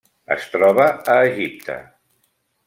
Es troba a Egipte.